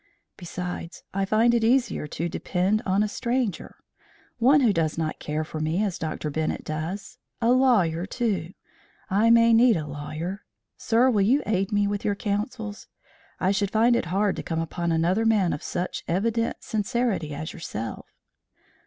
Besides, I find it easier to depend on a stranger, one who does not care for me, as Dr. Bennett does; a lawyer, too; I may need a lawyer sir, will you aid me with your counsels? I should find it hard to come upon another man of such evident sincerity as yourself."